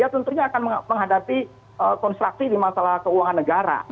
tentunya akan menghadapi konstruksi di masalah keuangan negara